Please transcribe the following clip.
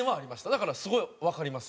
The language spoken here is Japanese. だからすごいわかります。